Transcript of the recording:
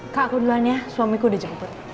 kak aku duluan ya suamiku udah jemput